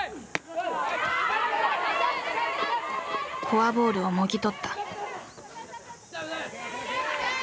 フォアボールをもぎ取った。